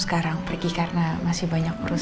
sekarang pergi karena masih banyak urusan di kantor